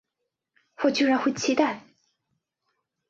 我居然会期待